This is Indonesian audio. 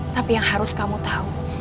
tapi yang harus kamu tahu